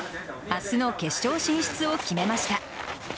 明日の決勝進出を決めました。